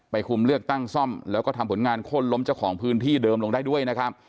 คุมเลือกตั้งซ่อมแล้วก็ทำผลงานโค้นล้มเจ้าของพื้นที่เดิมลงได้ด้วยนะครับ